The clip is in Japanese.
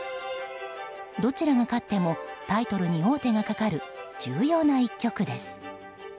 どちらが勝ってもタイトルに王手がかかる重要な一局です。